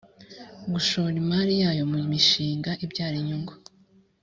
gushora imari yayo mu mishinga ibyara inyungu